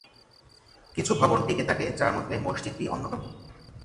কিছু ভবন টিকে থাকে যার মধ্যে মসজিদটি অন্যতম।